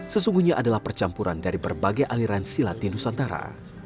sesungguhnya adalah percampuran dari berbagai aliran silat di nusantara